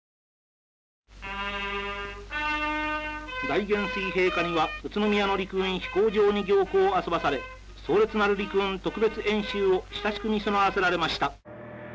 「大元帥陛下には宇都宮の陸軍飛行場に行幸あそばされ壮烈なる陸軍特別演習を親しく見そなわせられました」。